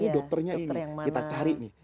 dokternya ini kita cari nih